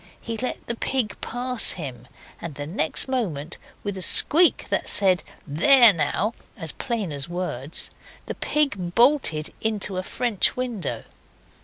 He let the pig pass him, and the next moment, with a squeak that said 'There now!' as plain as words, the pig bolted into a French window.